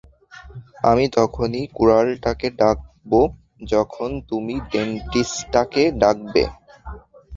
আমি তখনই কুড়ালটাকে ডাকবো, যখন তুমি ডেন্টিস্টটাকে ডাকবে।